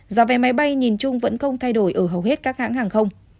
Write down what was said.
giá vé máy bay nhìn chung vẫn không thay đổi ở hầu hết các hãng hàng không